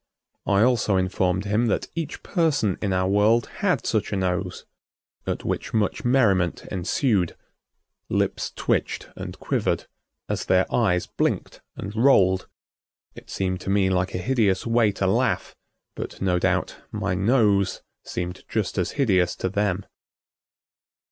I also informed him that each person in our world had such a nose, at which much merriment ensued. Lips twitched and quivered, as their eyes blinked and rolled. It seemed to me like a hideous way to laugh, but no doubt my nose seemed just as hideous to them.